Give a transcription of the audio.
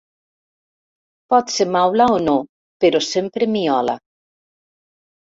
Pot ser maula o no, però sempre miola.